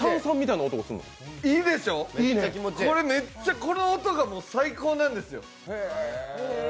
いいでしょ、めっちゃこの音が最高なんですよ。